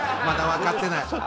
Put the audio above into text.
まだ分かってない。